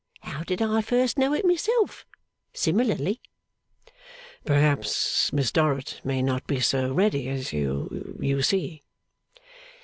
How did I first know it myself? Similarly.' 'Perhaps Miss Dorrit may not be so ready as you, you see.